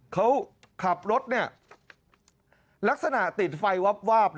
เขาขับรถลักษณะติดไฟวาบ